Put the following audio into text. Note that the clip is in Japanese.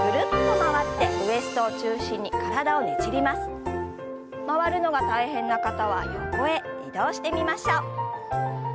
回るのが大変な方は横へ移動してみましょう。